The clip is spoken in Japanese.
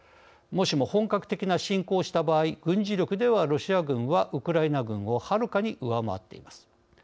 もしも本格的な侵攻をした場合軍事力ではロシア軍はウクライナ軍をはるかに上回っています。